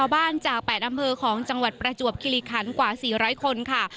บ้านจาก๘อำเภอของจังหวัดประจวบคิริคันกว่า๔๐๐คนค่ะ